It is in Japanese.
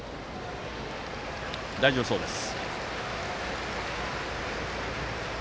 大丈夫そうです。